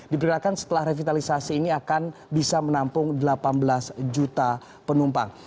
diperkirakan setelah revitalisasi ini akan bisa menampung delapan belas juta penumpang